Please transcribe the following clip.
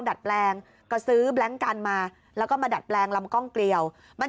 ผมทำมาประเมตน์กันมาแล้วก็มดัดแปลงลำกล้องเกลียว